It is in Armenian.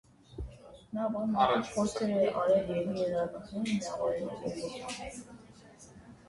Նա բազմաթիվ փորձեր է արել երկիրը զարգացնելու և միավորելու ուղղությամբ։